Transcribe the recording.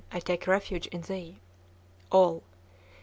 I take refuge in thee.) _All.